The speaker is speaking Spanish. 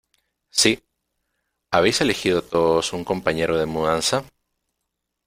Sí. ¿ Habéis elegido todos un compañero de mudanza?